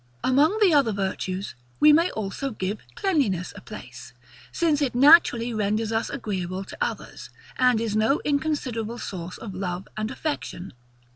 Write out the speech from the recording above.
Among the other virtues, we may also give Cleanliness a place; since it naturally renders us agreeable to others, and is no inconsiderable source of love and affection.